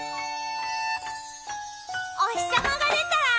「おひさまがでたらわーい！